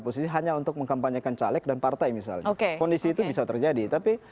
posisi hanya untuk mengkampanyekan caleg dan partai misalnya kondisi itu bisa terjadi tapi